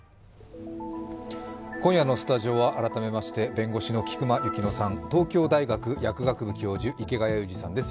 今夜のスタジオは改めまして弁護士の菊間千乃さん東京大学薬学部教授池谷裕二さんです。